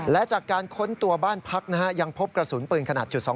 และจากการค้นตัวบ้านพักยังพบกระสุนปืนขนาด๒๒